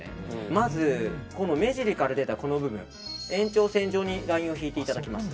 まず目尻から出たこの部分延長線上にラインを引いていただきます。